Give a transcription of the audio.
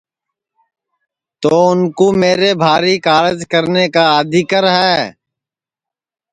تو اُن کُو میرے بھاری کارج کرنے کا آدیکر ہے